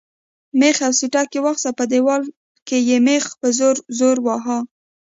مېخ او سټک واخیست او په دیوال کې یې مېخ په زور زور واهه.